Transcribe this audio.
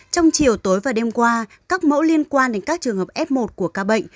trong chiều tối và đêm qua các mẫu liên quan đến các trường hợp f một của ca bệnh